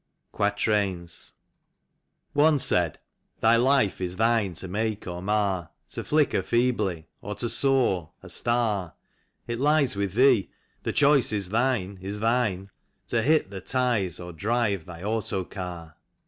45 QUATEAINS. One said: Thy life is thine to make or mar, To flicker feebly, or to soar, a star; It lies with thee — the choice is thine, is thine, To hit the ties or drive thy auto car.